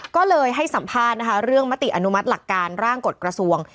ก็เลยให้สัมภาษณ์นะคะเรื่องมติอนุมัติหลักการร่างกฎกระทรวง